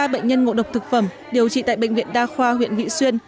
năm mươi ba bệnh nhân ngộ độc thực phẩm điều trị tại bệnh viện đa khoa huyện vị xuyên